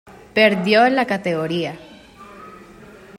Perdió la categoría.